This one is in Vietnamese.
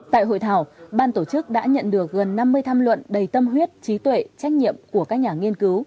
tại hội thảo ban tổ chức đã nhận được gần năm mươi tham luận đầy tâm huyết trí tuệ trách nhiệm của các nhà nghiên cứu